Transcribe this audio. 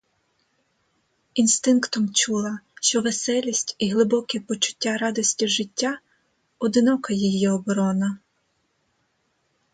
Інстинктом чула, що веселість і глибоке почуття радості з життя — одинока її оборона.